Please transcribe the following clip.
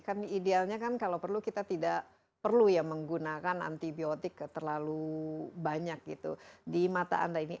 kan idealnya kan kalau perlu kita tidak perlu ya menggunakan antibiotik terlalu banyak gitu di mata anda ini